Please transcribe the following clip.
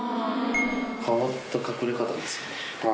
変わった隠れ方ですね。